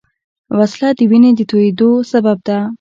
وسله د وینې د تویېدو سبب ده